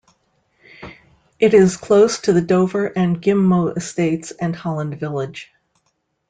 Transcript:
It is close to the Dover and Ghim Moh estates, and Holland Village.